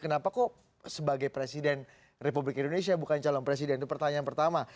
kenapa kok sebagai presiden republik indonesia bukan calon presiden itu pertanyaan pertama